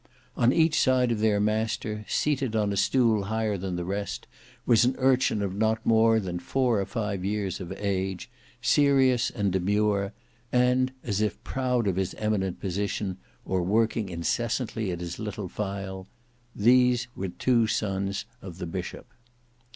On each side of their master, seated on a stool higher than the rest, was an urchin of not more than four or five years of age, serious and demure, and as if proud of his eminent position, or working incessantly at his little file;—these were two sons of the bishop.